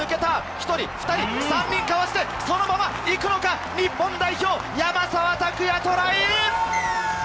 １人、２人、３人かわして、そのままいくのか、日本代表、山沢拓也、トライ！